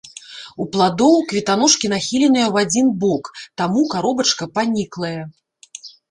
У пладоў кветаножкі нахіленыя ў адзін бок, таму каробачка паніклая.